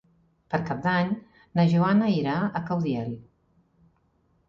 Per Cap d'Any na Joana irà a Caudiel.